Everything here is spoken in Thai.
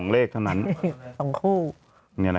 ๒เลขเท่านั้น๒คู่นี่นะครับ